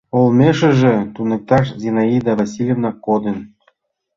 Олмешыже туныкташ Зинаида Васильевна кодын.